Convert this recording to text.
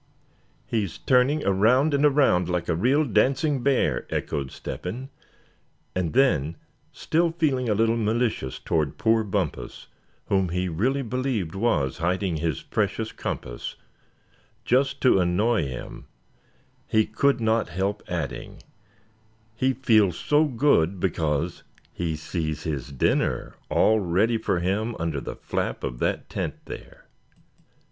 "He's turning around and around, like a real dancing bear!" echoed Step hen; and then, still feeling a little malicious toward poor Bumpus, whom he really believed was hiding his precious compass, just to annoy him, he could not help adding: "he feels so good, because he sees his dinner all ready for him under the flap of that tent there."